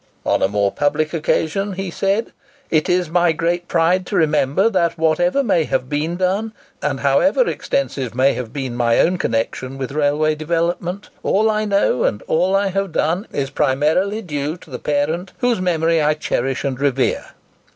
On a more public occasion he said, "It is my great pride to remember, that whatever may have been done, and however extensive may have been my own connection with railway development, all I know and all I have done is primarily due to the parent whose memory I cherish and revere."